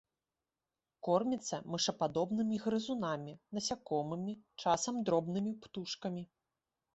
Корміцца мышападобнымі грызунамі, насякомымі, часам дробнымі птушкамі.